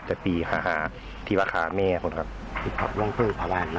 จะตีฮะฮะที่ว่าขาแม่ผมครับครับว่างเพิ่งภาวะนะครับ